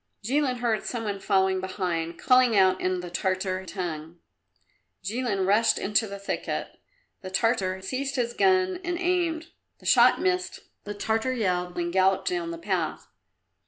Jilin heard some one following behind, calling out in the Tartar tongue. Jilin rushed into the thicket. The Tartar seized his gun and aimed; the shot missed; the Tartar yelled and galloped down the path.